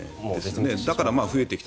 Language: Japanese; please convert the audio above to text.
だから増えてきた。